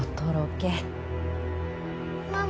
ママ。